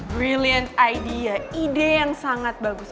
brilliant idea ide yang sangat bagus